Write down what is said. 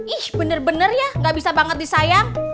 ih bener bener ya gak bisa banget disayang